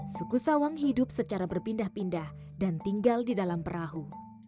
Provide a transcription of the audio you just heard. suku sawang hidup secara berpindah pindah dan tinggal di dalam perahu